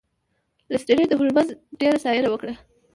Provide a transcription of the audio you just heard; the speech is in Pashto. لیسټرډ د هولمز ډیره ستاینه وکړه.